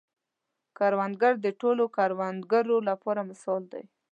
کروندګر د ټولو کروندګرو لپاره مثال دی